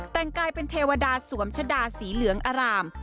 แต่งกายเป็นเทวดาสวมชะดาสีเหลืองอาราม